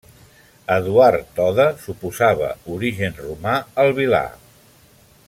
Eduard Toda suposava origen romà al Vilar.